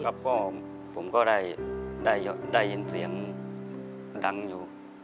ครับเพราะผมก็ได้ยินเสียงดังอยู่